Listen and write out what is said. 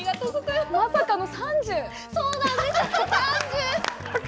まさかの３０。